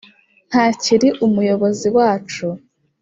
ntakiri umuyobozi wacu